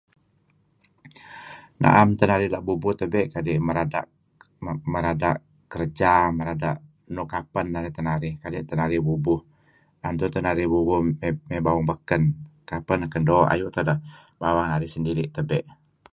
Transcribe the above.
Na'em teh narih la' bubuh nebe', kadi' merada' kerja merada' nuk apen narih kadi' neh narih bubuh'. 'am tebe' narih bubuh mey bawang beken , kapeh neh ken doo' bawang narih sendiri' tebe'.